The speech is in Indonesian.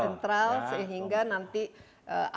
sehingga nanti air limbah ini akan diolah secara sentral